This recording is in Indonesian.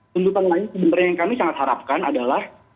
tuntutan lain sebenarnya yang kami sangat harapkan adalah